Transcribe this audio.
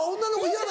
嫌だ。